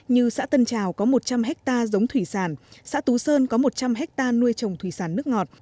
như xã tân trào có một trăm linh hectare giống thủy sản xã tú sơn có một trăm linh hectare nuôi trồng thủy sản nước ngọt